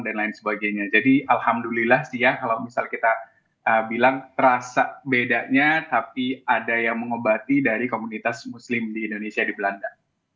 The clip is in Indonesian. lain sebagainya jadi alhamdulillah sih ya kalau misal kita bilang terasa bedanya tapi ada yang mengobati dari komunitas muslim di indonesia di belanda